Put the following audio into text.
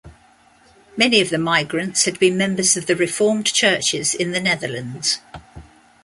Many of the migrants had been members of the Reformed Churches in the Netherlands.